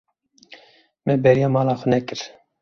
Me bêriya mala xwe nekir.